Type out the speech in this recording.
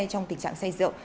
trong tình trạng xe rượu